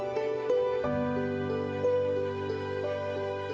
ya tuhan kami berdoa